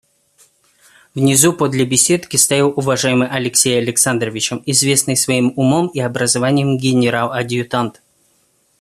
Внизу подле беседки стоял уважаемый Алексей Александровичем, известный своим умом и образованием генерал-адъютант.